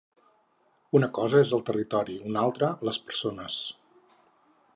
Una cosa és el territori un altre, les persones.